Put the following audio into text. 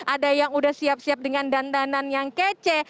ada yang udah siap siap dengan dandanan yang kece